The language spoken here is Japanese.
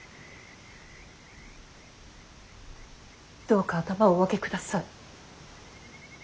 どうか頭をお上げください。